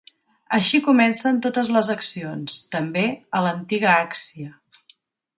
Així comencen totes les accions, també a l'antiga Àccia.